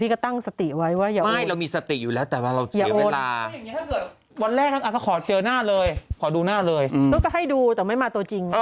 อย่าต้องทำเราตัดตัดรู้ว่าคุยนี้ดันมั้ย